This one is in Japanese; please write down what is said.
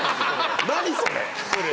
何それ。